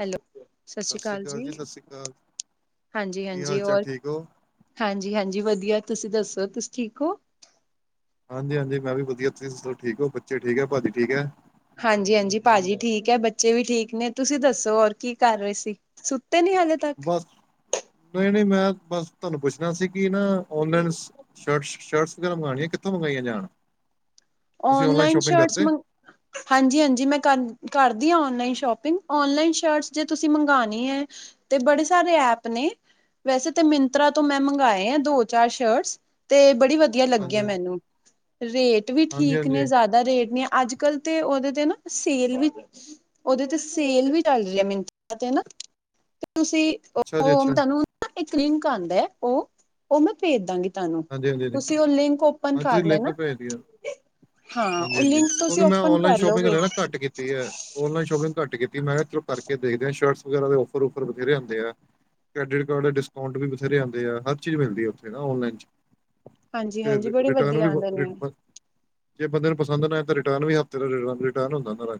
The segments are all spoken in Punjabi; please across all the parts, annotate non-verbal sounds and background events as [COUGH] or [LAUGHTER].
ਹੈਲੋ ਸਤਿ ਸ਼੍ਰੀ ਅਕਾਲ ਜੀ। ਹਾਂਜੀ - ਕੀ ਹਾਲ ਹਾਂਜੀ ਚਾਲ ਹੋਰ। ਠੀਕ ਹੋ ਹਾਂਜੀ - ਹਾਂਜੀ ਵਧੀਆ। ਤੁਸੀਂ ਦੱਸੋ ਤੁਸੀਂ ਠੀਕ ਹੋ। ਹਾਂਜੀ - ਹਾਂਜੀ ਮੈਂ ਵੀ ਵਧਆ ਤੁਸੀਂ ਦੋ ਠਕ ਹੋ ਬੱਚੇ ਠਕ ਹੈ ਭਾਜੀ ਠੀਕ ਹੈ। ਹਾਂਜੀ - ਹਾਂਜੀ ਭਾਜੀ ਠੀਕ ਹੈ। ਬੱਚੇ ਵੀ ਠੀਕ ਨੇ ਤੁਸੀਂ ਦੱਸੋ ਹੋਰ ਕੀ ਕਰ ਰਹੇ ਸੀ ਵ ਸੁੱਤੇੇ ਨੀ ਹੈ। ਬਸ ਨਹੀਂ ਨਹੀਂ। ਮੈਂ ਬਸ ਤੁਹਾਨੂੰ ਪੁੱਛਣਾ ਸੀ। ਕਿ ਨਾ ਓਨਲਾਈਨ ਸ਼ਰਟਸ ਸ਼ਰਟਸ ਵਗੈਰਾ ਮੰਗਵਾਉਣੀਆਂ। ਕਿੱਥੋਂ ਮੰਗਾਈਆਂ ਜਾਣ। ਤੁਸੀਂ ਔਨਲਾਈਨ ਸ਼ੋਪਿੰਗ ਸ਼ਰਟਸ ਕਰਦੇ ਮ। ਹਾਂਜੀ ਹਾਂਜੀ। ਮੈਂ ਕਰ ਕਰਦੀ ਹ ਓਨਲਾਈਨ ਸ਼ੋਪਿੰਗ ਓਨਲਾਈਨ ਸ਼ਰਟਸ। ਜੇ ਤੁਸੀਂ ਮੰਗਵਾਉਣੀ ਹੈ। ਤੇ ਬੜੇ ਸਾਰੇ ਐਪ ਨੇ। ਵੈਸੇ ਤੇ ਮਿੰਤਰਾ ਤੋਂ। ਮੈਂ ਮੰਗਵਾਏ ਆ ਦੋ ਚਾਰ ਸ਼ਰਟਸ ਤੇ ਬੜੀ ਵਆ। ਵਧੀਆ ਲੱਗਿਆ ਹਾਂਜੀ ਮੈਨੂੰ ਰੇਟ ਵੀ। ਹਾਂਜੀ ਠੀਕ ਨੇ ਹਾਂਜੀ ਜ਼ਿਆਦਾ ਰੇਟ ਨ ਆ ਅੱਜ - ਕੱਲ ਤੇ ਉਹਦੇ ਤੇ ਨਾ ਸੇਲ ਵਿੱਚ ਉਹਦੇ ਤੇ ਸੇਲ ਵੀ ਚੱਲ ਰਹੀ ਹੈ ਮਿੰਤ ਤੇ ਹਨਾ। ਤੇ ਤੁਸੀਂ ਉਹ ਅੱਛਾ ਜੀ ਅੱਛਾ ਉਹ ਤੁਹਾਨੂੰ ਇੱਕ ਲਿੰਕ ਆਉਂਦਾ ਹੈ। ਉਹ - ਉਹ ਮੈਂ ਭੇਜ ਦਾਂਗੀ। ਤੁਹਾਨੂੰ ਹਾਂਜੀ ਹਾਂਜੀ ਹਾਂਜੀ ਤੁਸੀਂ ਉਹ ਲਿੰਕ ਓਪਨ ਹਾਂ ਤੁਸੀਂ ਕਰ ਲੈ ਲਿੰਕ ਨਾ। ਭੇਜ ਦਿਓ ਹਾਂ ਉਹ ਲਿੰਕ ਤੁਸੀਂ ਓਪਨ ਕਰ ਲਓਗੇ। ਘੱ ਕੀਤੀ ਨਲਾਈਨ ਸ਼ੋਪਿੰਗ ਘੱਟ ਕੀਤੀ। ਮੈਂ ਕਰਕੇ ਦੇਖਦੇ ਸ਼ਰਟ ਵਗਰਾ। ਔਫਰ ਬਥੇਰੇ ਆਉਂਦੇ ਆ ਕ੍ਰੈਡਿਟ ਕਾਰਡ ਡਿਸਕਾਊਂਟ ਵੀ ਬਥੇਰੇ ਆਂਦੇ ਆ। ਹਰ ਚੀਜ਼ ਮਿਲਦੀ ਹੈ। ਉੱਥੇ ਨਾ ਔਨਲਾਈਨ ਚ। ਹਾਂਜੀ ਤੇ ਹਾਂਜੀ ਬੜੇ ਰਿਟਰਨ ਵੀ। ਵਧੀਆ ਆਉਂਦੇ ਨੇ ਜੇ ਬੰਦੇ ਨੂੰ ਪਸੰਦ ਨਾ ਤਾਂ ਰਿਟਰਨ ਵੀ ਹਫ਼ਤੇ ਦਾ ਰਿਨ ਹੁੰਦਾ।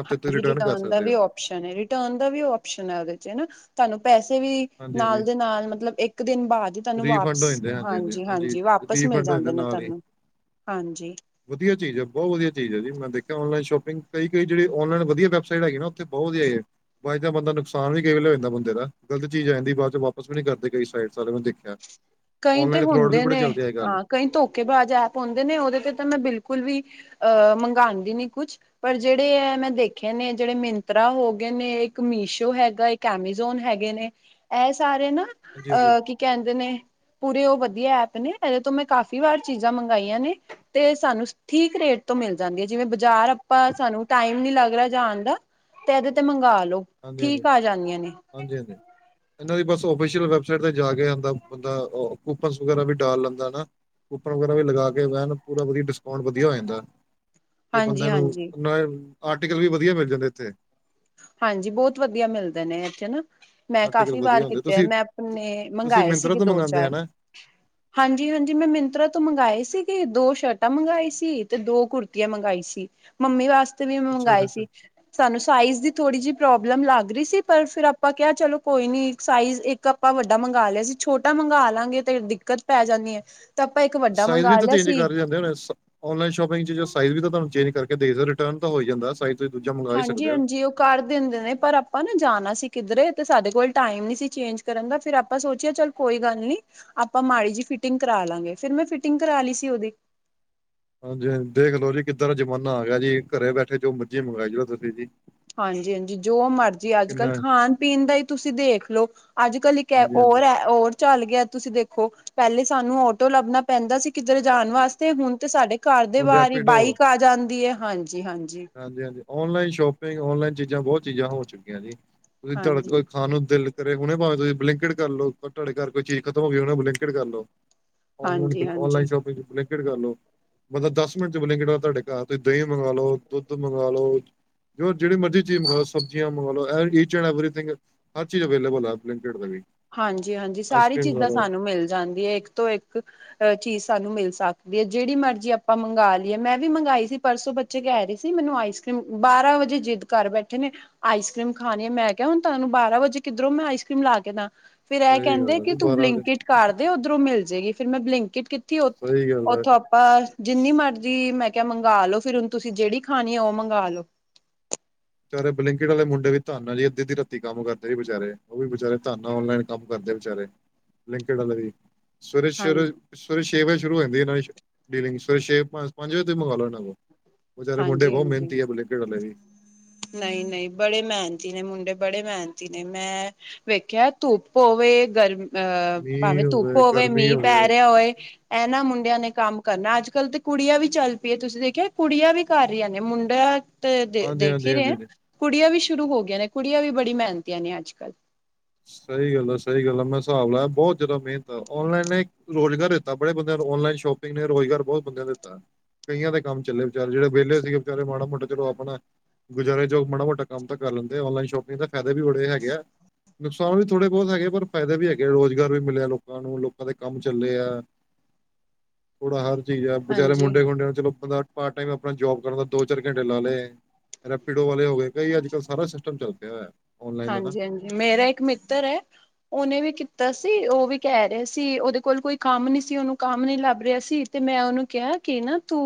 ਹਫ਼ਤੇ ਤੁਸੀਂ ਹਾਂਜੀ ਰਿਟਰਨ ਕਰ ਦਾ ਸਕਦੇ ਵੀ ਹੋ। ਰਿਟਰਨ ਦਾ ਵੀ ਆਪਓਸ਼ਨ ਹੈ। ਉਹਦੇ ਚ ਹਨਾ ਤੁਹਾਨੂੰ ਪੈਸੇ ਵੀ ਹਾਂਜੀ ਹਾਂਜੀ ਨਾਲ ਦੇ ਨਾਲ ਮਤਲਬ ਇੱਕ। ਇੱਕ ਦਿਨ ਬਾਅਦ। ਤੈਨੂੰ ਰੀਫੰਡ ਵਾਪਸ ਹੋ ਜਾਂਦੇ ਹਾਂਜੀ - ਹਾਂਜੀ ਵਾਪਿਸ ਮਿਲ ਰੀਫੰਡ ਹੋ ਜਾਂਦੇ ਨੇ। ਨਾਲ ਹੀ ਤੈਨੂੰ ਹਾਂਜੀ ਵਧੀਆ ਚੀਜ਼ ਬਹੁਤ ਵਧੀ ਚੀ ਹੈ ਜੀ। ਮੈਂ ਦੇਖਿਆ ਔਲਾਈਨ ਸ਼ੋਪਿੰਗ ਕਈੜ ਔਲਾਈਨ ਵਧੀਆ ਵੈਬਸਾਈਟ ਹੈਗੀ ਨੇ ਉਥੇ ਬਹੁਤ ਵਧੀਆ ਹੈ। ਬਾਅਦ ਤਾਂ ਬੰਦਾ ਨੁਕਸਾਨ ਵੀ ਕਈ ਵੇਲੇ ਜਾਂਦਾ। ਬੰਦਾ ਦਾ ਗਲਤ ਚੀਜ਼ ਆ ਜਾਂਦੀ। ਬਾਅਦ ਚ ਵਾਪਸ ਨੀ ਕਰਦੇ। ਕਈ ਸਾਈਡ ਸਾਰੇ ਬੰਦੇ ਚ। ਕਈ ਤੇ ਹੁੰਦੇ ਨੇ ਹਾਂ ਕਈ ਧੋਖੇਬਾਜ਼ ਐਪ ਹੁੰਦੇ ਨੇ। ਉਹਦੇ ਤੇ ਤਾਂ ਮੈਂ ਬਿਲਕੁਲ ਵੀ ਅਹ ਮੰਗਵਾਉਣ ਦੀ ਨੀ ਕੁਛ ਪਰ ਜਿਹੜੇ ਇਹ ਮੈਂ ਦੇਖਿਆ ਨੇ ਜਿਹੜੇ ਮਿੰਤਰਾ ਹੋ ਗਏ ਨੇ ਇੱਕ ਮੀਸ਼ੋ ਹੈਗਾ ਇੱਕ ਏਮੀੇਜ਼ੋਨ ਹੈਗੇ ਨੇ ਇਹ ਸਾਰੇ ਨਾ ਹਾਂਜੀ ਹਾਂਜੀ ਅ ਹਾਂਜੀ ਕੀ ਕਹਿੰਦੇ ਨੇ ਪੂਰੇ ਉਹ ਵਧੀਆ ਐਪ ਨੇ ਇਹਦੇ ਤੋਂ ਮੈਂ ਕਾਫ਼ੀ ਵਾਰ ਚੀਜ਼ਾਂ ਮੰਗਾਈਆਂ ਨੇ ਤੇ ਸਾਨੂੰ ਠੀਕ ਰੇਟ ਤੋਂ ਮਿਲ ਜਾਂਦੀ ਜਿਵੇਂ ਬਾਜ਼ਾਰ ਆਪਾਂ ਸਾਨੂੰ ਟਾਈਮ ਨਹੀਂ ਲੱਗ ਰਿਹਾ ਜਾਂਣਦਾ ਤੇ ਇਹਦੇ ਤੇ ਮੰਗਾ ਲੋ। ਹਾਂਜੀ-ਹਾਂਜੀ, ਜਾਂਦੀਆਂ ਨੇ ਹਾਂਜੀ-ਹਾਂਜੀ। ਇਹਨਾਂ ਦੀ ਬਸ ਔਫ਼ੀਸਿਅਲ ਵੈਬ ਸਾਈਟ ਤੇ ਜਾ ਕੇ ਆਪਦਾ ਬੰਦਾ ਕੁਪੰਸ ਵਗੈਰਾ ਵੀ ਢਾਲ ਲੈਂਦਾ ਨਾ। ਕੂਪਨ ਵਗੈਰਾ ਵੀ ਲਗਾ ਕੇ ਵਹਿਣ ਪੂਰਾ ਵਧੀ ਡਿਸਕਾਊਂਟ ਵਧੀਆ ਹੋ ਜਾਂਦਾ ਐ। ਤੇ ਬੰਦੇ ਹਾਂਜੀ ਨੂੰ ਹਾਂਜੀ ਨਾਏ ਆਰਟੀਕਲ ਵੀ ਵਧੀਆ ਮਿਲ ਜਾਂਦੇ ਇੱਥੇ। ਹਾਂਜੀ ਬਹੁਤ ਵਧੀਆ ਮਿਲਦੇ ਨੇ ਇੱਥੇ ਨਾ। ਮੈਂ ਆਰਟੀਕਲ ਕਾਫ਼ੀ ਵਧੀਆ ਵਾਰ ਹੁੰਦੇ ਕੀਤੇ ਐ। ਤੁਸੀਂ ਮੈਂ ਆਪਣੇ ਤੁਸੀਂ ਮੰਗਾਏ ਮਿੰਤਰਾ ਸੀਗੇ ਤੋਂ ਦੋ ਮੰਗਾਉਂਦੇ ਆ ਚਾਰ। ਨਾ ਹਾਂਜੀ ਹਾਂਜੀ ਮੈਂ ਮਿੰਤਰਾ ਤੋਂ ਮੰਗਵਾਏ ਸੀਗੇ ਦੋ ਸ਼ਰਟਾਂ ਮੰਗਵਾਏ ਸੀ ਤੇ ਦੋ ਕੁੁਰਤੀਆਂ ਮੰਗਵਾਈ ਸੀ ਮੰਮੀ ਵਾਸਤੇ ਵੀ ਅੱਛਾ ਅੱਛਾ ਮੰਗਵਾਏ ਅੱਛਾ ਸੀ ਸਾਨੂੰ ਸਾਈਜ਼ ਦੀ ਥੋੜ੍ਹੀ ਜਿਹੀ ਪ੍ਰੋਬਲਮ ਲੱਗ ਰਹੀ ਸੀ ਪਰ ਫਿਰ ਆਪਾਂ ਕਿਹਾ ਚਲੋ ਕੋਈ ਨਹੀਂ ਸਾਈਜ਼ ਇੱਕ ਆਪਾਂ ਵੱਡਾ ਮੰਗ ਲਿਆ ਅਸੀਂ ਛੋਟਾ ਮੰਗਗਾ ਲਾਂਗੇ ਤੇ ਦਿੱਕਤ ਪੈ ਜਾਂਦੀ ਹੈ ਤਾਂ ਆਪਾਂ ਇੱਕ ਵੱਡਾ ਸਾਈਜ਼ ਵੀ ਮੰਗਵਾ ਤਾਂ ਲਿਆ ਚੇਂਜ ਸੀ ਕਰ ਜਾਂਦੇ ਔਨਲਾਈਨ ਸ਼ੋਪਿੰਗ ਚ ਸਾਈਜ਼ ਵੀ ਤਾਂ ਤੁਹਾਨੂੰ ਚੇਂਜ ਕਰਕੇ ਦੇ ਰਿਟਰਨ ਤਾਂ ਹੋ ਜਾਂਦਾ ਤੁਸੀਂ ਦੂਜਾ ਮੰਗਾ ਹੀ ਹਾਂਜੀ ਸਕਦੇ ਹੋ ਹਾਂਜੀ ਉਹ ਕਰ ਦਿੰਦੇ ਨੇ ਪਰ ਆਪਾਂ ਨਾ ਜਾਣਾ ਸੀ ਕਿੱਧਰੇ ਤੇ ਸਾਡੇ ਕੋਲ ਟਾਈਮ ਨਹੀਂ ਸੀ ਚੇਂਜ ਕਰਨ ਦਾ ਫਿਰ ਆਪਾਂ ਸੋਚਿਆ ਚੱਲ ਕੋਈ ਗੱਲ ਨੀ ਆਪਾਂ ਮਾੜੀ ਜੀਹੀ ਫਿਟਿੰਗ ਕਰਾ ਲਾਂਗੇ ਫਿਰ ਮੈਂ ਫਿਟਿੰਗ ਕਰਾ ਲਈ ਸੀ ਉਹਦੀ ਹਾਂਜੀ ਹਾਂਜੀ ਦੇਖ ਲੋੋ ਜੀ ਕਿੱਧਰ ਜਮਾਨਾ ਆ ਗਿਆ ਜੀ ਘਰੇ ਬੈਠੇ ਜੋ ਮਰਜੀ ਮੰਗਵਾਈ ਜਾਓ ਤੁਸੀਂ ਜੀ ਹਾਂਜੀ ਹਾਂਜੀ ਜੋ ਮਰਜੀ ਅੱਜ ਕੱਲ ਕਿੰਨਾ ਖਾਣ ਪੀਣ ਦਾ ਹੀ ਤੁਸੀਂ ਦੇਖ ਲੋ ਅੱਜ ਕੱਲ੍ਹ ਇੱਕ ਹੈ ਹਾਂਜੀ ਹਾਂਜੀ ਹੋਰ ਹੈ ਹੋਰ ਚੱਲ ਗਿਆ ਤੁਸੀਂ ਦੇਖੋ ਪਹਿਲੇ ਸਾਨੂੰ ਆਟੋ ਲੱਭਣਾ ਪੈਂਦਾ ਸੀ ਕਿੱਧਰ ਜਾਣ ਵਾਸਤੇ ਹੁਣ ਤੇ ਸਾਡੇ ਘਰ ਦੇ ਹੁਣ ਬਾਹਰ ਈ ਰੈਪਿਡੋ ਬਾਈਕ ਆ ਜਾਂਦੀ ਐ। ਹਾਂਜੀ-ਹਾਂਜੀ। ਹਾਂਜੀ-ਹਾਂਜੀ। ਓਨਲਾਈਨ ਸ਼ੋਪਿੰਗ, ਔਨਲਾਈਨ ਚੀਜ਼ਾਂ ਬਹੁਤ ਚੀਜ਼ਾਂ ਹੋ ਚੁੱਕਿਆ ਜੀ। ਤੁਸੀਂ ਤੁਹਾਡਾ ਹਾਂਜੀ, ਕੋਈ ਖਾ ਨੂੰ ਦਿਲ ਘਰੇ ਹੁਣੇ ਭਾਵੇਂ ਤੁਹੀ ਬਲਿੰਕਿਟ ਕਰਲੋ ਤੁਹਾਡੇ ਘਰ ਕੋਈ ਚੀਜ਼ ਖਤਮ ਹੋ ਗੀ ਬਲਿੰਕਿਟ ਕਰ ਲੋ। ਹਾਂਜੀ-ਹਾਂਜੀ ਓਂਨਲਾਈਨ ਸ਼ੋਪਿੰਗ [UNINTELLIGIBLE] ਕਿਟ ਕਰ ਲੋ। ਬੰਦਾ ਦਸ ਮਿੰਟ ਚ ਬਲਿੰਕਿਟ ਵਾਲਾ ਤੁਹਾਡੇ ਘਰ ਤੁਸੀਂ ਦਹੀਂ ਮੰਗਾਲੋ, ਦੁੱਧ ਮੰਗਾਲੋ ਲੋ। ਜੋ ਜਿਹੜੀ ਮਰਜ਼ੀ ਚੀਜ਼ ਮੰਗਾਲੋ ਸਬਜ਼ੀਆਂ ਮੰਗਾਲੋ ਐ ਇੱਚ ਐਂਡ ਐਵਰੀਥਿੰਗ। ਹਰ ਚੀਜ਼ ਅਵੇਲੇਬਲ ਆ ਬਲਿੰਕਿਟ ਰਾਹੀ। ਹਾਂਜੀ-ਹਾਂਜੀ ਸਾਰੀ ਚੀਜ਼ਾਂ ਸਾਨੂੰ ਮਿਲ ਜਾਂਦੀਆਂ ਏਕ ਤੋਂ ਏਕ। ਹਰ ਚੀਜ਼ ਸਾਨੂੰ ਮਿਲ ਸਕਦੀ ਅ। ਜਿਹੜੀ ਮਰਜ਼ੀ ਆਪਾਂ ਮੰਗਾ ਲੀਏ ਮੈਂ ਵੀ ਮੰਗਾਈ ਸੀ ਪਰਸੋਂ ਬੱਚ ਚੇ ਕਹਿ ਰਹੀ ਸੀ ਮੈਨੂੰ ਆਈਸਕ੍ਰੀਮ ਬਾਰਾਂ ਵਜੇ ਜਿੱਦ ਕਰ ਬੈਠੇ ਨੇ। ਆਈਸ ਕਰੀਮ ਖਾਣੀ ਆ ਮੈਂ ਕਿਆ ਹੁਣ ਤੁਹਾਨੂੰ ਬਾਰਾਂ ਵਜੇ ਕਿਧਰੋਂ ਮੈਂ ਆਈਸ ਕਰ੍ਰੀਮ ਲਾ ਕੇ ਦਾ। ਫਿਰ ਐ ਸਹੀ ਕਹਿੰਦੇ ਗੱਲ ਹੈ ਕਿ ਜੀ ਤੂੰ ਬਾਰਾਂ ਵਜੇ ਬਲਿੰਕਿਟ ਕਰਦੇ ਉੱਧਰੋਂ ਮਿਲ ਜੇਗੀ। ਫਿਰ ਮੈਂ ਬਲਿੰਕਟ ਕੀਤੀ ਓਥ ਸਹੀ ਗੱਲ ਹੈ ਜੀ। ਓਥੋਂ ਅਪ ਪਰ ਜਿੰਨੀ ਮਰਜ਼ੀ ਮੈਂ ਕਿਆ ਮੰਗਾਲੋ। ਫਿਰ ਹੁਣ ਤੁਸੀਂ ਜਿਹੜੀ ਖਾਣੀ ਆ ਉਹ ਮੰਗਾ ਲੋ। ਬਚਾਰੇ ਬਲਿੰਕਿਟ ਵਾਲੇ ਮੁੰਡੇ ਵੀ ਧੰਨ ਆ ਜੀ। ਅਧੀ-ਅੱਧੀ ਰਾਤੀ ਕੰਮ ਕਰਦੇ ਜੀ ਵਿਚਾਰੇ। ਉਹ ਵੀ ਵਿਚਾਰੇ ਧੰਨ ਆ ਔਨਲਾਈਨ ਕੰਮ ਕਰਦੇ ਵਿਚਾਰੇ ਬਲਿੰਕਿਟ ਆਲੇ ਵੀ ਸਵੇਰੇ- ਹਾਂਜੀ ਸਵੇਰ ਸਵੇਰੇ ਛੇ ਵਜੇ ਸ਼ੁਰੂ ਹੋ ਜਾਂਦੀ ਇਹਨਾਂ ਦੀ ਸ਼ਿਪਿੰਗ ਸਵੇਰੇ ਛੇ ਪੰਜ-ਪੰਜ ਵਜੇ ਮੰਗਾ ਲਓ ਇਹਨਾਂ ਕੋ। ਵਿਚਾਰੇ ਮੁੰਡੇ ਹਾਂਜੀ ਬਹੁਤ ਮੇਹਨਤੀ ਐ ਬਲਿੰਕਿਟ ਵਾਲੇ ਵੀ। ਨਈ -ਨਈ ਬੜੇ ਮਿਹਨਤੀ ਨੇ ਮੁੰਡੇ ਬੜੇ ਮਿਹਨਤੀ। ਨਈ ਮੈਂ ਵੇਖਿਆ ਧੂਪ ਹੋਵੇ ਗਰਮ, ਅ ਭਾਵੇਂ ਮੀਂਹ ਧੁੱਪ ਹੋਵੇ ਗਰਮੀ ਮੀਂਹ ਪੈ ਹੋਵੇ ਰਿਆ ਹੋਏ। ਇਹਨਾਂ ਮੁੰਡਿਆਂ ਨੇ ਕੰਮ ਕਰਨਾ। ਅੱਜ ਕੱਲ ਤੇ ਕੁੜੀਆਂ ਵੀ ਚੱਲ ਪਈਆਂ। ਤੁਸੀਂ ਦੇਖਿਆ ਕੁੜੀਆਂ ਵੀ ਕਰ ਰਿਆ ਨੇ ਮੁੰਡਾ ਤੇ ਦੇ ਹਾਂਜੀ ਦੇਖ ਹਾਂਜੀ ਈ ਹਾਂਜੀ ਰੇ। ਹਾਂਜੀ। ਕੁੜੀਆਂ ਵੀ ਸ਼ੁਰੂ ਹੋ ਗਈਆਂ ਨੇ ਕੁੜੀਆਂ ਵੀ ਬੜੀ ਮਿਹਨਤੀਆਂ ਨੇ ਅੱਜ ਕੱਲ੍ਹ। ਸਈ ਗੱਲ ਆ -ਸਈ ਗੱਲ ਆ। ਮੈਂ ਸਾਬ ਲਾਇਆ ਬਹੁਤ ਜ਼ਿਆਦਾ, ਮਿਹਨਤ ਆ ਔਨਲਾਈਨ ਏਕ ਰੋਜ਼ਗਾਰ ਦਿੱਤਾ, ਬੜੇ ਬੰਦ ਨੂੰ ਔਨਲਾਈਨ ਸ਼ੋਪਿੰਗ ਨੇ ਰੋਜ਼ਗਾਰ ਬਹੁਤ ਬੰਦਿਆਂ ਨੂੰ ਦਿੱਤਾ। ਕਈਆਂ ਦੇ ਕੰਮ ਚੱਲੇ, ਵਿਚਾਰੇ ਜੇੜੇ ਵਿਹਲੇ ਸੀਗੇ ਵਿਚਾਰੇ ਮਾੜਾ ਮੋਟਾ ਚਲੋ ਆਪਣਾ ਗੁਜਾਰੇ ਜੋਗ, ਮਾੜਾ- ਮੋਟਾ ਕੰਮ ਤਾਂ ਕਰ ਲੈਂਦੇ ਆ, ਔਨਲਾਈਨ ਸ਼ੋਪਿੰਗ ਦਾ ਫਾਇਦੇ ਵੀ ਬੜੇ, ਹੈਗੇ ਐ।। ਨੁਕਸਾਨ ਵੀ ਥੋੜ੍ਹੇ ਬਹੁਤ ਹੈਗੇ ਪਰ ਫਾਇਦੇ ਵੀ ਹੈਗੇ, ਰੋਜ਼ਗਾਰ ਵੀ ਮਿਲਿਆ ਲੋਕਾਂ ਨੂੰ ਲੋਕਾਂ ਦੇ ਕੰਮ ਚੱਲੇ ਐ। ਥੋੜਾ ਹਰ ਚੀਜ਼ ਆ।, ਵਿਚਾਰੇ ਹਾਂਜੀ ਮੁੰਡੇ ਖੂੰਡਿਆਂ ਨੂੰ ਚਲੋ ਬੰਦਾ ਪਾਰਟ ਟਾਈਮ, ਆਪਣਾ ਜੋਬ ਕਰਨ ਦਾ ਦੋ -ਚਾਰ ਘੰਟੇ ਲਾ ਲਏ। ਰੈਪੀਡੋ ਵਾਲੇ ਹੋ ਗਏ ਕਈ ਅੱਜ -ਕੱਲ੍ਹ ਸਾਰਾ ਸਿਸਟਮ ਚੱਲ ਪਿਆ ਹੋਆ। ਹਾਂਜੀ -ਹਾਂਜੀ ਮੇਰਾ ਇੱਕ ਮਿੱਤਰ ਹੈ। ਉਹਨੇ ਵੀ ਕੀਤਾ ਸੀ, ਉਹ ਵੀ ਕਹਿ ਰਹਾ ਸੀ, ਉਹਦੇ ਕੋਲ ਕੋਈ ਕੰਮ ਨਹੀ ਸੀ, ਉਹਨੂੰ ਕੰਮ ਨੀ ਲੱਭ ਰਿਹਾ ਸੀ। ਤੇ ਮੈਂ ਉਹਨੂੰ ਕਿਹਾ ਕਿ ਨਾ ਤੂੰ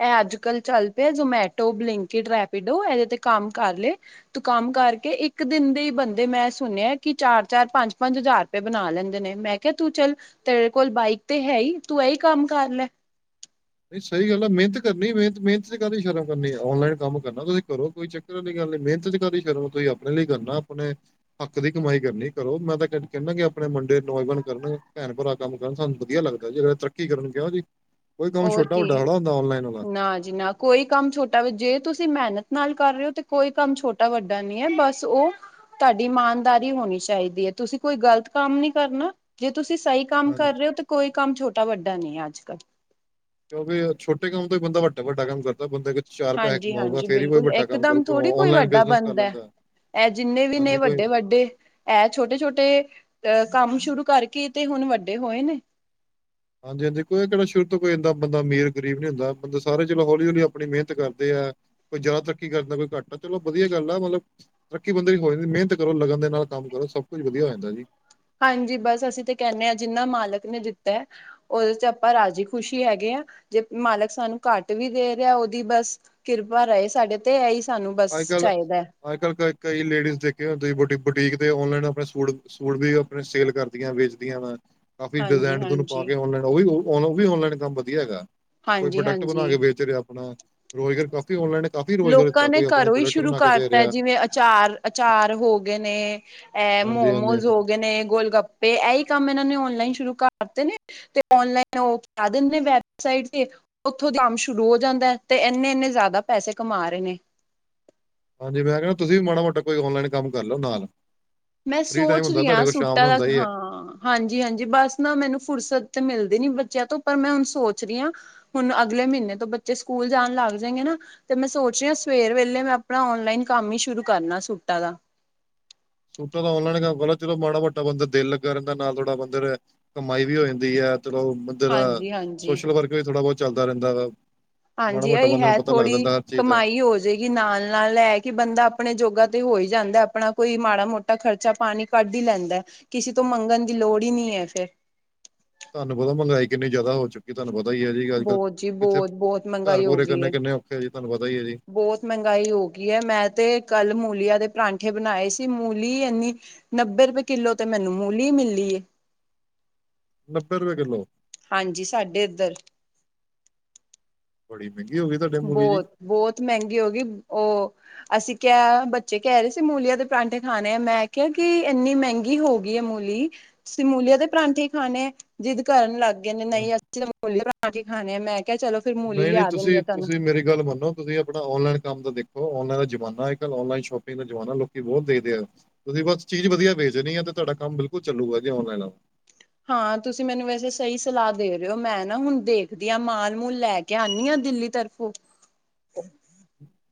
ਇਹ ਅੱਜ- ਕੱਲ ਚੱਲ ਪਿਆ ਜਮੈਟੋ, ਬਲਿੰਕਇਟ, ਰੈਪੀਡੋ, ਇਹਦੇ ਤੇ ਕੰਮ ਕਰ ਲਏ, ਤੂੰ ਕੰਮ ਕਰਕੇ ਇੱਕ ਇੱਕ ਦਿਨ ਦੇ ਈ ਬੰਦੇ ਮੈਂ ਸੁਣਿਆ ਕਿ, ਚਾਰ-ਚਾਰ, ਪੰਜ-ਪੰਜ ਹਜ਼ਾਰ ਰੁਪਏ ਬਣਾ ਲੈਂਦੇ ਨੇ ਮੈਂ ਕਿਆ ਤੂੰ ਚੱਲ ਤੇਰੇ ਕੋਲ ਬਾਈਕ ਤੇ ਹੈ ਈ, ਤੂੰ ਇਹੀ ਕੰਮ ਕਰ ਲੈ। ਨਈ ਸਹੀ ਗੱਲ ਆ।, ਮਿਹਨਤ ਕਰਨੀ ਮਿਹ ਮਿਹਨਤ ਚ ਕਾਹਦੀ ਸ਼ਰਮ ਕਰਨੀ, ਔਨਲਾਈਨ ਕੰਮ ਕਰਨਾ ਤੁਹੀ ਕਰੋ ਕੋਈ ਚੱਕ ਕਿਵੇਂ ਦੀ ਗੱਲ ਏ ਮਿਹਨਤ ਚ ਕਾਦੀ ਸ਼ਰਮ ਤੁਸੀਂ, ਆਪਣੇ ਲਈ ਕਰਨਾ ਆਪਣੇ ਹੱਕ ਦੀ ਕਮਾਈ ਕਰਨੀ ਕਰੋ, ਮੈਂ ਤਾਂ ਕ ਕਹਿੰਦਾ ਕਿ ਆਪਣੇ ਮੁੰਡੇ ਨੌਜਵਾਨ, ਕਰਨ ਭੈਣ -ਭਰਾ। ਕੰਮ ਕਰਨ ਸਾਨੂੰ ਵਧੀਆ ਲੱਗਦਾ, ਜਿਹੜਾ ਤਰੱਕੀ, ਕਰਨ ਗਿਆ ਉ ਦ ਹੋਰ ਕੀ। ਨਾ ਜੀ ਨਾ। ਕੋਈ ਕੰਮ, ਛੋਟਾ ਵ ਜੇ ਤੁਸੀਂ ਮਿਹਨਤ ਨਾਲ ਕਰ ਰਹੇ ਹੋ ਤੇ, ਕੋਈ ਕੰਮ ਛੋਟਾ ਵੱਡਾ ਨਈ ਐ ਬਸ ਉਹ ਤਾਡੀ ਇਮਾਨਦਾਰੀ ਹੋਣੀ ਚਾਈਦੀ ਏ, ਤੁਸੀਂ ਕੋਈ ਗ਼ਲਤ ਕੰਮ ਨੀ ਕਰਨਾ, ਜੇ ਤੁਸੀਂ ਸਈ ਕੰਮ ਹਾਂ ਕਰ ਰਹੇ ਹੋ ਤੇ, ਕੋਈ ਕੰਮ ਛੋਟਾ -ਵੱਡਾ ਨੀ ਐ ਅੱਜ- ਕੱਲ ਕਿਉਂਕਿ, ਛੋਟੇ ਕੰਮ ਤੋਂ ਹੀ ਬੰਦਾ ਵਡਾ-ਵਡਾ ਕੰਮ ਕਰਦਾ ਬੰਦਾ ਕੋਈ, ਚਾਰ ਪੈਸੇ ਹਾਂਜੀ ਕਮਾਉਗਾ ਹਾਂਜੀ ਫੇਰ ਹੀ, ਕੋਈ ਬਿਲਕੁਲ ਵੱਡਾ ਕੰਮ ਇਕਦਮ ਕਰੂਗਾ, ਥੋੜ੍ਹੀ ਕੋਈ ਔਨਲਾਈਨ, ਵੱਡਾ ਬਿਜਨਸ ਕਰ ਬਣਦਾ ਲੈਂਦਾ ਹੈ। ਇਹ, ਜਿੰਨੇ ਵੀ ਨੇ ਹਾਂਜੀ ਕੋਈ ਵੱਡੇ -ਵੱਡੇ ਇਹ ਛੋਟੇ- ਛੋਟੇ ਅਹ ਕੰਮ ਸ਼ੁਰੂ ਕਰਕੇ ਤੇ ਹੁਣ ਵੱਡੇ ਹੋਏ ਨੇ, ਹਾਂਜੀ- ਹਾਂਜੀ ਕੋਈ ਕਿਹੜਾ ਸ਼ੁਰੂ ਤੋਂ ਕੋਈ ਇਦਾਂ ਬੰਦਾ ਅਮੀਰ- ਗਰੀਬ ਨਈ ਹੁੰਦਾ, ਬੰਦਾ ਸਾਰੇ ਚਲੋ ਹੌਲੀ- ਹੌਲੀ ਆਪਣੀ ਮਿਹਨਤ ਕਰਦੇ ਆ। ਕੋਈ ਜ਼ਿਆਦਾ, ਤਰੱਕੀ ਕਰਦਾ, ਕੋਈ ਘੱਟ ਆ ਚਲੋ ਵਧੀਆ, ਗੱਲ ਆ ਮਤਲਬ ਤਰੱਕੀ ਬੰਦੇ ਹੋ ਜਾਂਦੀ, ਮਿਹਨਤ ਕਰੋ ਲਗਨ ਦੇ ਨਾਲ ਕੰਮ ਕਰੋ, ਸਭ ਕੁਛ ਵਧੀਆ ਜਾਂਦਾ ਜੀ, ਹਾਂਜੀ, ਬਸ ਅਸੀਂ ਤੇ ਕਹਿੰਦੇ ਹਾਂ ਜਿੰਨਾ ਮਾਲਕ ਨੇ, ਦਿੱਤਾ ਹੈ ਉਹਦੇ ਚ ਆਪਾਂ ਰਾਜ਼ੀ ਖੁਸ਼ੀ ਹੈਗੇ ਆ, ਜੇ ਮਾਲਕ ਸਾਨੂੰ ਘੱਟ ਵੀ ਦੇ ਰਿਹਾ, ਉਹਦੀ ਬਸ ਕਿਰਪਾ, ਰਹੇ ਸਾਡੇ ਤੇ ਇਹੀ ਸਾਨੂੰ, ਬਸ ਅੱਜ ਕੱਲ ਚਾਹੀਦਾ ਹੈ। ਅੱਜ -ਕੱਲ੍ਹ ਕ ਕਈ ਲੇਡੀਜ਼ ਦੇਖੀਆਂ ਹੁਣ ਤੁਸੀਂ ਬੁਟੀਕ ਦੇ, ਔਨਲਾਈਨ ਆਪਣੇ ਸੂਟ ਸੂਟ ਵੀ, ਆਪਣੇ ਸੇਲ ਕਰਦੀਆਂ ਵੇਚਦੀਆਂ ਵਾ, ਕਾਫੀ ਹਾਂਜੀ ਡਿਜ਼ਾਇਨ ਤੁਹਾਨੂੰ ਪਾ ਹਾਂਜੀ ਕੇ ਔਨਲਾਈਨ ਉਹ ਵੀ, ਔਨ ਉਹ ਵੀ ਔਨਲਾਈਨ ਕੰਮ ਵਧੀਆ ਹੈਗਾ, ਕੋਈ ਹਾਂਜੀ ਪ੍ਰੋਡਕਟ ਬਣਾ ਹਾਂਜੀ ਕੇ, ਵੇਚ ਰਿਹਾ ਆਪਣਾ। ਰੁਜ਼ਗਾਰ ਕਾਫੀ ਔਨਲਾਨ, ਕਾਫ਼ੀ ਰੋਜ਼ਾਰ ਲੋਕਾ ਨੇ ਘਰੋਂ ਹੀ ਸ਼ੁਰੂ ਕਰਤਾ ਜਿਵੇਂ, ਅਚਾਰ- ਅਚਾਰ ਹੋ ਗਏ ਨੇ, ਇਹ ਹਾਂਜੀ ਹਾਂਜੀ ਮੋਮੋਸ ਹਾਂਜੀ ਹੋ ਗਏ ਨੇ, ਗੋਲ ਗੱਪੇ, ਇਹ ਹੀ ਕੰਮ ਇਹਨਾਂ ਨੇ ਓਨਲਾਈਨ, ਸ਼ੁਰੂ ਕਰਤੇ ਨੇ, ਤੇ ਔਨਲਾਈਨ, ਉਹ ਕਰ ਦਿੰਦੇ ਵੈਬਸਾਈਟ ਤੇ, ਉੱਥੋਂ ਕੰਮ ਸ਼ੁਰੂ ਹੋ ਜਾਂਦਾ, ਤੇ ਇੰਨੇ- ਇੰਨੇ ਜ਼ਿਆਦਾ ਪੈਸੇ ਕਮਾ ਰਹੇ ਨੇ, ਹਾਂਜੀ ਮੈਂ ਕਹਿ, ਤੁਸੀਂ ਵੀ ਮਾੜਾ- ਮੋਟਾ ਕੋਈ ਔਨਲਾਈਨ ਕੰਮ ਕਰ ਲਓ ਨਾਲ। ਮੈਂ, ਫ੍ਰੀ ਟਾਈਮ ਸੋਚ ਹੁੰਦਾ ਰਹੀ ਹਾ, ਤੁਹਾਡੇ ਕੋਲ ਸ਼ਾਮ ਸੂਟਾਂ ਨੂੰ ਦਾ ਹੁੰਦਾ ਹੀ ਹੈ ਹਾਂ ਹਾਂਜੀ- ਹਾਂਜੀ ਬਸ ਨਾ ਮੈਨੂੰ ਫੁਰਸਤ ਤੇ ਮਿਲਦੀ ਨਈ, ਬੱਚਿਆਂ ਤੋਂ ਪਰ ਮੈਂ ਹੁਣ ਸੋਚ ਰਹੀ ਹਾਂ। ਹੁਣ, ਅਗਲੇ ਮਹੀਨੇ ਤੋਂ ਬੱਚੇ, ਸਕੂਲ ਜਾਣ ਲੱਗ ਜਾਏਗੇ ਨਾ ਤੇ ਮੈਂ ਸੋਚ ਰਹੀ ਹਾਂ, ਸਵੇਰ ਵੇਲੇ ਮੈਂ ਆਪਣਾ ਆਨਲਾਈਨ ਕੰਮ ਹੀ, ਸ਼ੁਰੂ ਕਰਨਾ ਸੂਟਾਂ ਦਾ ਸੂਟਾਂ ਦਾ, ਔਨਲਾਈਨਕੰਮ ਕਰ ਲਓ ਨਾ ਚਲੋ ਮਾੜਾ- ਮੋਟਾ ਬੰਦੇ ਦਾ ਦਿਲ ਲੱਗਾ ਰਹਿੰਦਾ, ਨਾਲ ਥੋੜਾ ਬੰਦੇ ਨੂੰ ਏ, ਕਮਾਈ ਵੀ ਹੋ ਜਾਂਦੀ ਹੈ, ਚਲੋ ਬੰਦੇ ਦਾ ਹਾਂਜੀ ਹਾਂਜੀ ਸੋਸ਼ਲ ਵਰਕ ਵੀ ਥੋੜਾ- ਬਹੁਤ ਚੱਲਦਾ ਰਹਿੰਦਾ ਵਾ। ਮਾੜਾ ਹਾਂਜੀ, ਮੋਟਾ ਅਹੀ ਬੰਦੇ ਨੂੰ ਹੈ ਪਤਾ ਲੱਗ ਥੋੜ੍ਹੀ ਜਾਂਦਾ ਹਰ ਚੀਜ਼ ਦਾ ਕਮਾਈ ਹੋ ਜ ਜਿਹਦੇ ਕਿ, ਨਾਲ- ਨਾਲ ਲੈ ਕੇ ਬੰਦਾ ਆਪਣੇ ਜੋੋਗਾ ਤੇ ਹੋ ਹੀ ਜਾਂਦਾ, ਆਪਣਾ ਕੋਈ ਮਾੜਾ -ਮੋਟਾ ਘਰ ਦਾ ਖਰਚਾ- ਪਾਣੀ ਕੱਢ ਹੀ ਲੈਂਦਾ, ਕਿਸੇ ਤੋਂ ਮੰਗਣ ਦੀ ਲੋੜ ਹੀ ਨਹੀਂ ਹੈ, ਫੇਰ। ਤੁਹਾਨੂੰ ਪਤਾ ਮੰਗਾਈ ਕਿੰਨੀ ਜ਼ਿਆਦਾ ਹੋ ਚ- ਕੀ ਤੁਹਾਨੂੰ ਪਤਾ ਹੀ ਹੈ ਜੀ, ਅੱਜ ਕਲ ਬਹੁਤ ਜੀ ਕਿੱਥੇ ਬਹੁਤ ਬਹੁਤ ਘਰ ਮਹਿੰਗਾਈ ਹੋ ਪੂਰੇ ਗਈ ਕਰਨੇ ਕਿੰਨੇ ਔਖੇ ਹੈ ਜੀ, ਤੁਹਾਨੂੰ ਪਤਾ ਹੀ ਹੈ ਜੀ। ਬਹੁਤ ਮਹਿੰਗਾਈ ਹੋ ਗਈ ਹੈ। ਮੈਂ ਤੇ ਕੱਲ ਮੂਲੀਆਂ ਦੇ ਪਰਾਂਠੇ ਬਣਾਏ ਸੀ, ਮੂਲੀ ਇੰਨੀ ਨੱਬੇ ਰੁਪਏ, ਕਿੱਲੋ ਤੇ ਮੈਨੂੰ ਮੂਲੀ ਮਿਲੀ ਏ। ਨੱਬੇ ਰੁਪਏ ਕਿੱਲੋ? ਹਾਂਜੀ, ਸਾਡੇ ਇੱਧਰ। ਬੜੀ ਮਹਿੰਗੀ ਹੋ ਗਈ ਤੁਡੇ ਮੂਵੀ ਜੀ। ਬਹੁਤ ਬਹੁਤ ਮਹਿੰਗੀ ਹੋ ਗਈ, ਉਹ। ਅਸੀਂ ਕਿਹਾ, ਬੱਚੇ ਕਹਿ ਰਹੇ ਸੀ ਮੂਲੀਆਂ ਦੇ ਪਰਾਂਠੇ ਖਾਣੇ ਆ। ਮੈਂ ਕਿਹਾ ਕਿ ਇੰਨੀ ਮਹਿੰਗੀ ਹੋ ਗ- ਗੀ ਆ ਮੂਲੀ, ਤੁਸੀਂ ਮੂਲੀਆਂ ਦੇ ਪਰਾਂਠੇ ਹੀ ਖਾਣੇ? ਜਿੱਦ ਕਰਨ ਲੱਗ ਗਏ, ਨੇ ਨਹੀਂ ਅਸੀਂ ਤਾਂ ਮੂਲੀ ਦੇ ਪਰਾਂਠੇ ਹੀ ਖਾਣੇ ਹੈ। ਮੈਂ ਕਿਹਾ ਚਲੋ ਫੇਰ ਮੂਲੀ ਨਹੀਂ ਨਹੀਂ ਲਿਆ ਦਿੰਦੇ ਤੁਸੀਂ ਆ। ਤੁਹਾਨੂੰ ਤੁਸੀਂ ਮ- ਮੇਰੀ ਗੱਲ ਮੰਨੋ ਤੁਸੀਂ ਆਪਣਾ ਔਨਲਾਈਨ ਕੰਮ ਦਾ ਦੇਖੋ, ਆਨਲਾਈਨ ਦਾ ਜਮਾਨਾ ਹੈ। ਅੱਜ ਕੱਲ ਆਨਲਾਈਨ ਸ਼ੋਪਿੰਗ ਦਾ ਜਮਾਨਾ ਲੋਕੀ ਬਹੁਤ ਦੇਖਦੇ ਆ। ਤੁਸੀਂ ਬਸ ਚੀਜ਼ ਵਧੀਆ ਵੇਚਣੀ ਆ। ਤੇ ਤੁਹਾਡਾ ਕੰਮ ਬਿਲਕੁਲ ਚੱਲੂਗਾ ਜੀ, ਆਨਲਾਈਨ ਵਾਲਾ। ਹਾਂ ਤੁਸੀਂ ਮੈਨੂੰ ਵੈਸੇ ਸਹੀ ਸਲਾਹ ਦੇ ਰਹੇ ਹੋ। ਮੈਂ ਨਾ ਹੁਣ ਦੇਖਦੀ ਹਾਂ, ਮਾਲ- ਮੂਲ ਲੈ ਕੇ ਆਉਂਦੀ ਹਾਂ ਦਿੱਲੀ ਤਰਫ਼। ਹੋ, ਹੋ।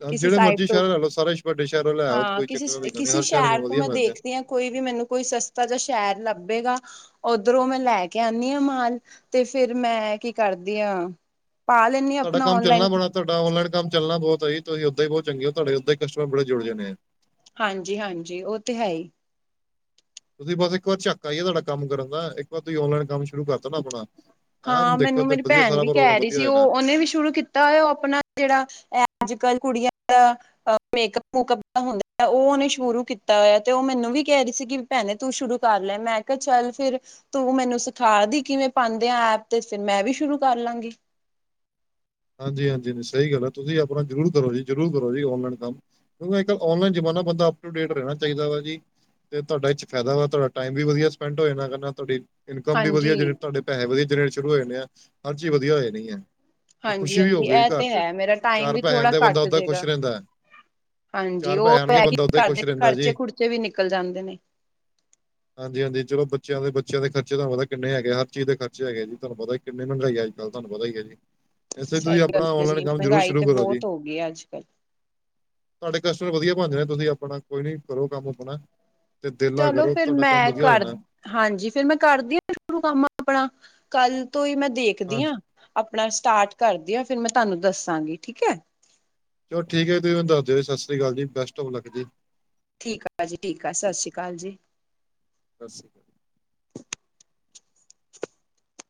ਕਿਸੇ ਜਿਹੜੇ ਸਾਈਡ ਮਰਜ਼ੀ ਤੋਂ, ਸ਼ਹਿਰ ਲੈ ਲਓ ਸਾਰੇ ਵੱਡੇ ਸ਼ਹਿਰੋਂ ਲੈ ਆਓ ਹਾਂ ਕੋਈ ਕਿਸੇ, ਚੱਕਰ ਵਾਲੀ ਗੱਲ ਨਹੀਂ ਕਿਸੇ ਹਰ ਨੂੰ ਸ਼ਹਿਰ ਤੋਂ ਵਧੀਆ ਮੈਂ ਮਿਲ ਜਾਏ ਦੇਖਦੀ ਹਾਂ। ਕੋਈ ਵੀ ਮੈਨੂੰ ਕੋਈ ਸਸਤਾ ਜਾਂ ਸ਼ਹਿਰ ਲੱਭੇਗਾ। ਉਧਰੋਂ ਮੈਂ ਲੈ ਕੇ ਆਉਦੀ ਆ ਮਾਲ, ਤੇ ਫੇਰ ਮੈਂ ਕੀ ਕਰਦੀ ਆਂ। ਪਾ ਲੈਨੀ, ਤੁਹਾਡਾ ਕੰਮ ਚੱਲਣਾ ਬੜਾ ਤਗੜਾ, ਤੁਹਾਡਾ ਆਨਲਾਈਨ ਕੰਮ ਚੱਲਣਾ ਬਹੁਤ ਜੀ, ਤੁਸੀਂ ਉਦਾਂ ਹੀ ਬਹੁਤ ਚੰਗੇ ਹੋ, ਤੁਹਾਡੇ ਉਦਾਂ ਹੀ ਕਸਟਮਰ ਬੜੇ ਜੁੜ ਜਾਣੇ। ਹਾਂਜੀ- ਹਾਂਜੀ ਉਹ ਤੇ ਹੈ ਹੀ। ਤੁਸੀਂ ਬਸ ਇੱਕ ਵਾਰ ਝਾਕਾ ਹੀ ਹ ਤੁਹਾਡਾ ਕੰਮ ਕਰਨ ਦਾ। ਇੱਕ ਵਾਰ ਤੁਸੀਂ ਆਨਲਾਈਨ ਕੰਮ ਸ਼ੁਰੂ ਕਰ ਤਾ ਨਾ ਆਪਣਾ। ਹਾਂ ਐਨ ਦੇਖਿਓ ਮੈਨੂੰ, ਤੇ ਮੇਰੀ ਵਧੀਆ ਭੈਣ ਸਾਰਾ ਵੀ ਪ੍ਰੋਗਰਾਮ ਕਹਿ ਰਹੀ ਵਧੀਆ ਹੋ ਸੀ। ਜਾਣਾ ਉਹ ਉਹਨੇ ਵੀ ਸ਼ੁਰੂ ਕ- ਤਾਂ ਉਹ ਆਪਣਾ ਜਿਹੜਾ ਅੱਜ ਕੱਲ ਕੁੜੀਆਂ ਦਾ ਮੇਕਅਪ- ਮੁਕਅਪ ਦਾ ਹੁੰਦਾ। ਉਹ ਉਹਨੇ ਸ਼ੁਰੂ ਕੀਤਾ ਹੋਇਆ ਤੇ ਉਹ ਮੈਨੂੰ ਵੀ ਕਹਿ ਰਹੀ ਸੀ। ਕਿ ਭੈਣੇ ਤੂੰ ਸ਼ੁਰੂ ਕਰ ਲੈ। ਮੈਂ ਕਿਹਾ ਚੱਲ ਫੇਰ ਤੂੰ ਮੈਨੂੰ ਸਿਖਾ ਦੀ ਕਿਵੇਂ ਐ ਤੇ ਫੇਰ ਮੈਂ ਵੀ ਸ਼ੁਰੂ ਕਰ ਲਾਂਗੀ। ਹਾਂਜੀ -ਹਾਂਜੀ- ਹਾਂਜੀ ਸਹੀ ਗੱਲ ਹੈ। ਤੁਸੀਂ ਆਪਣਾ ਜ਼ਰੂਰ ਕਰੋ ਜੀ- ਜ਼ਰੂਰ ਕਰੋ ਜੀ ਔਨਲਾਈਨ ਕੰਮ। ਕਿਉਂ ਅੱਜ ਕੱਲ ਔਨਲਾਈ ਜ਼ਮਾਨਾ ਬੰਦਾ ਅਪ ਟੂ ਡੇਟ ਰਹਿ ਚਾਹਿਦਾ ਜੀ। ਤੇ ਤੁਹਾਡਾ ਈ ਚ ਫਾਇਦਾ ਵਾ, ਤੁਹਾਡਾ ਟਾਈਮ ਵੀ ਵਧੀਆ ਸਪੈਂਡ ਹੋ ਜਾ ਨਾ ਕਰਨਾ ਨਾਲ ਤੁਹਾਡੀ, ਇਨਕਮ ਵੀ ਵਧੀਆ ਹਾਂਜੀ ਜਨ, ਤੁਹਾਡੇ ਪੈਸੇ ਵਧੀਆ ਜਨਰੇਟ ਸ਼ੁਰੂ ਹੋਏਣੇ ਆ, ਹਰ ਚੀਜ਼ ਵਧੀਆ ਹੋ ਜਾਣੀ ਹੈ। ਤੇ ਹਾਂਜੀ ਖੁਸ਼ੀ ਵੀ ਹੋ -ਹਾਂਜੀ ਗਈ ਇਹ ਘਰ ਤੇ 'ਚ ਹੈ। ਮੇਰਾ ਟਾਈਮ ਚਾਰ ਵੀ ਪੈਸੇ ਥੋੜਾ ਆਂਦੇ ਬੰਦਾ ਘੱਟ ਓਦਾਂ ਜੇਗਾ। ਖੁਸ਼ ਰਹਿੰਦਾ। ਹੈ। ਹਾਂਜੀ! ਚਾਰ ਉਹ ਪੈਸੇ ਤੇ ਆਣਗੇ ਹੈ ਕੀ ਬੰਦਾ ਓਦਾਂ ਹੀ ਘਰ ਦੇ ਖੁਸ਼ ਰਹਿੰਦਾ ਖਰਚੇ- ਜੀ। ਖੁਰਚੇ ਵੀ ਨਿਕਲ ਜਾਂਦੇ ਨੇ। [INAUDIBLE] ਹਾਂਜੀ- ਹਾਂਜੀ ਚਲੋ ਬੱਚਿਆਂ ਦੇ ਬੱਚਿਆਂ ਖਰਚੇ ਤਹਾਨੂੰ ਪਤਾ ਕਿੰਨੇ ਹੈਗੇ ਹਰ ਚੀਜ਼ ਦੇ ਖਰਚੇ ਹੈਗੇ ਜੀ ਤੁਹਾਨੂੰ ਪਤਾ। ਕਿੰਨੀ ਮਹਿੰਗਾਈ ਅਜਜੱਲ ਤੁਹਾਨੂੰ ਪਤਾ ਹੈ ਜੀ। ਇਸਸੇ ਸਹੀ ਤੁਸੀਂ ਗੱਲ ਆਪਣਾ ਹੈ ਜੀ ਓਨਲਾਈਨ ਕੰਮ ਜ਼ਰੂਰ ਮਹਿੰਗਾਈ ਤੇ ਸ਼ੁਰੂ ਕਰੋ ਜੀ। ਬਹੁਤ ਹੋ ਗਈ ਅੱਜ ਕੱਲ ਤੁਹਾਡੇ ਕਸਟਮਰ ਵਧੀਆ ਬਣ ਜਾਣੇ ਨੇ, ਤੁਸੀਂ ਆਪਣਾ ਕੋਈ ਨੀ, ਕਰੋ ਕੰਮ ਆਪਣਾ, ਤੇ ਦਿਲ ਨਾਲ ਚਲੋ ਕਰੋ, ਫਿਰ ਤੁਹਾਡਾ ਕੰਮ ਮੈਂ ਵਧੀਆ ਹੋ ਕਰ ਜਾਣਾ। ਹਾਂਜੀ। ਫੇਰ ਮੈਂ ਕਰਦੀ ਹ ਸ਼ੁਰੂ ਕੰਮ ਆਪਣਾ। ਕੱਲ ਤੋਂ ਹੀ ਮੈਂ ਦੇਖਦੀ ਹਾਂ। ਹਾਂਜੀ ਆਪਣਾ ਸਟਾਰਟ ਕਰਦੀ ਹਾਂ ਫੇਰ ਮੈਂ ਤੁਹਾਨੂੰ ਦੱਸਾਂਗੀ ਠੀਕ ਹੈ। ਜੋ ਠੀਕ ਹੈ ਤੁਸੀਂ ਦੱਸ ਦਿਓ ਜੀ, ਸਤ ਸ੍ਰੀ ਅਕਾਲ ਜੀ, ਬਸਟ ਹੋਫ ਲੱਕ ਜੀ। ਠੀਕ ਆ ਪਾਜੀ ਠੀਕ ਆ ਸਤਿ ਸ਼੍ਰੀ ਅਕਾਲ ਜੀ। ਸਤਿ ਸ਼੍ਰੀ ਅਕਾਲ।